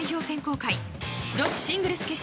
選考会女子シングルス